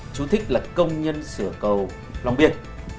chú thích là công nhân sửa cầu lòng biệt